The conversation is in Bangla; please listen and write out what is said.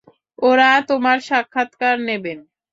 ওরা তোমার সাক্ষাৎকার নেবেন।